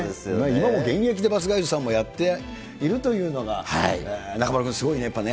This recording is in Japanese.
今も現役でバスガイドさんやっているというのが、中丸君、すごいね、やっぱり。